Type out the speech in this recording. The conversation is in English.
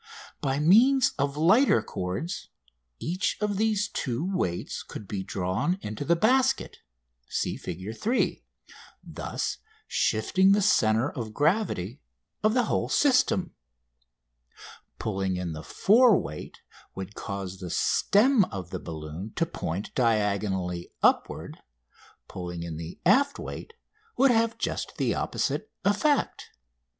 By means of lighter cords each of these two weights could be drawn into the basket (see Fig. 3), thus shifting the centre of gravity of the whole system. Pulling in the fore weight would cause the stem of the balloon to point diagonally upward; pulling in the aft weight would have just the opposite effect.